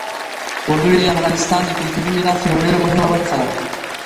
وګړي د افغانستان د کلتوري میراث یوه ډېره مهمه برخه ده.